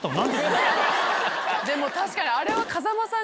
でも確かにあれは。